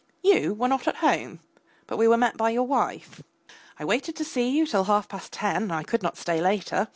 You were not at home, but we were met by your wife. I waited to see you till half past ten, I could not stay later.